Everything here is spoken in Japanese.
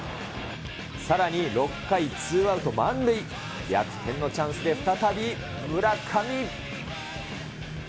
さらに６回、ツーアウト満塁、逆転のチャンスで再び村上。